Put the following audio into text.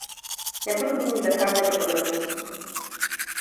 Nebudu nyní zacházet do podrobností.